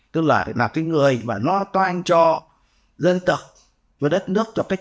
đó là cái người mà nó toàn